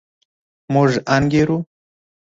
موږ انګېرو.